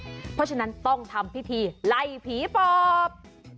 เพราะฉะนั้นต้องทำพิธีไล่ผีปอบ